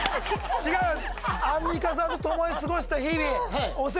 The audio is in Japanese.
違います。